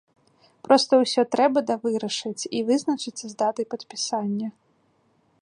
Проста ўсё трэба давырашыць і вызначыцца з датай падпісання.